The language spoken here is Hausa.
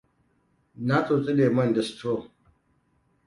Na tsotsi lomen da straw.